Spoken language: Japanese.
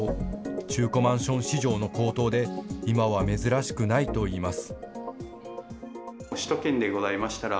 中古マンション市場の高騰で今は珍しくないといいます。